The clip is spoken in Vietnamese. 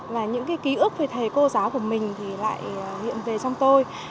và những ký ức về thầy cô giáo của mình thì lại hiện về trong tôi